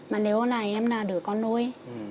mà nếu hôm nay em là đứa con nuôi